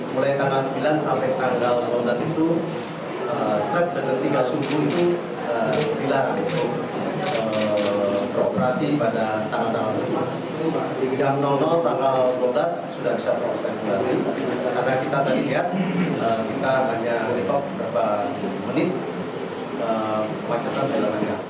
mulai tanggal sembilan sampai tanggal sebelas itu truk dengan tiga sumbu itu berlaku